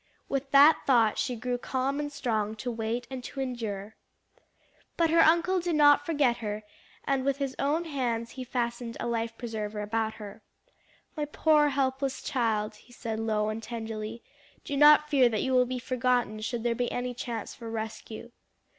With that thought she grew calm and strong to wait and to endure. But her uncle did not forget her; with his own hands he fastened a life preserver about her. "My poor helpless child," he said low and tenderly, "do not fear that you will be forgotten should there be any chance for rescue."